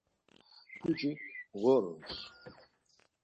Pucik mğorums.